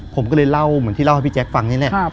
ผมก็เลยเล่าเหมือนที่เล่าให้พี่แจ๊คฟังนี่แหละ